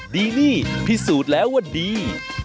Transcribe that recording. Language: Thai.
ดีนี่พิสูจน์แล้วว่าดี